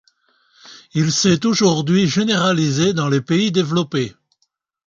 Il s'est aujourd'hui généralisé dans les pays développés.